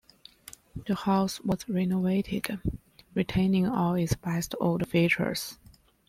The house was renovated, retaining all its best older features.